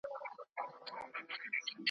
خپل جنون رسوا کمه، ځان راته لیلا کمه ,